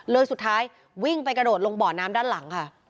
สุดท้ายวิ่งไปกระโดดลงบ่อน้ำด้านหลังค่ะ